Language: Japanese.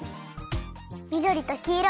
みどりときいろ。